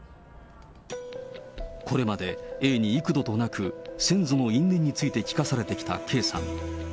これまでＡに幾度となく、先祖の因縁について聞かされてきたＫさん。